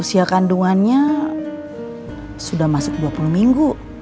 usia kandungannya sudah masuk dua puluh minggu